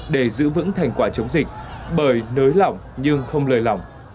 để giữ vững thành quả chống dịch bởi nới lỏng nhưng không lời lòng